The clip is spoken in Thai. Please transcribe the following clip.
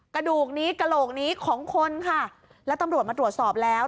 กระดูกนี้กระโหลกนี้ของคนค่ะแล้วตำรวจมาตรวจสอบแล้ว